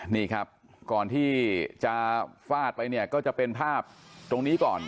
นี่ครับก่อนที่จะฟาดไปเนี่ยก็จะเป็นภาพตรงนี้ก่อน